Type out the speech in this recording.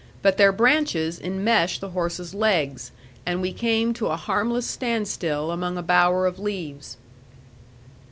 But their branches enmeshed the horses' legs, and we came to a harmless standstill among a bower of leaves.